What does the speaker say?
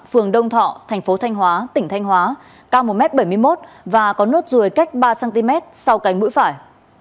phường đông thọ tp thanh hóa tp thanh hóa cao một m bảy mươi một và có nốt rùi cách ba cm sau cành mũi phải